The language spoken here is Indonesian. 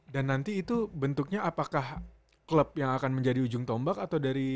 dan nanti itu bentuknya apakah klub yang akan menjadi ujung tombak atau dari